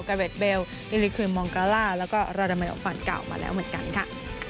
เวทเบลอิลิควิมมองกาล่าแล้วก็ราดาเมโอฟันเก่ามาแล้วเหมือนกันค่ะ